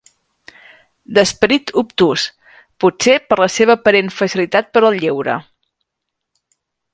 D'esperit obtús, potser per la seva aparent facilitat per al lleure.